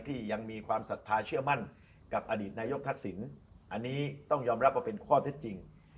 ยังมีความศรัทธาเชื่อมั่นกับอดีตนายกทักษิณอันนี้ต้องยอมรับว่าเป็นข้อเท็จจริง